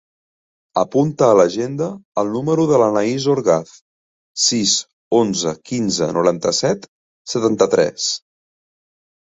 Apunta a l'agenda el número de l'Anaïs Orgaz: sis, onze, quinze, noranta-set, setanta-tres.